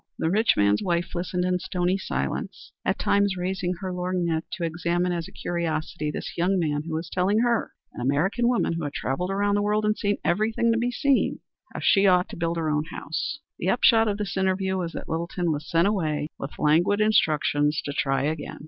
The rich man's wife listened in stony silence, at times raising her lorgnette to examine as a curiosity this young man who was telling her an American woman who had travelled around the world and seen everything to be seen how she ought to build her own house. The upshot of this interview was that Littleton was sent away with languid instructions to try again.